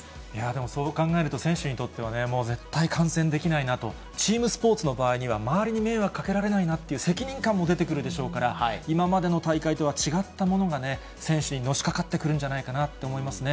そう考えると、選手にとっては、もう絶対感染できないなと、チームスポーツの場合には、周りに迷惑かけられないなという責任感も出てくるでしょうから、今までの大会とは違ったものがね、選手にのしかかってくるんじゃないかなと思いますね。